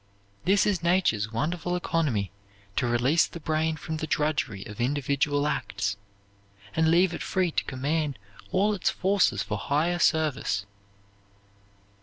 This is nature's wonderful economy to release the brain from the drudgery of individual acts, and leave it free to command all its forces for higher service.